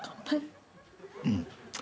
うん。